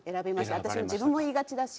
私も自分も言いがちだし。